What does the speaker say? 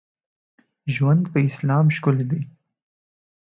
ژوند په اسلام ښکلی دی.